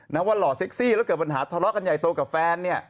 นักว่าเหลอเซ็กซี่แล้วเกิดปัญหาทอเลาะกันใหญ่โตกับแฟน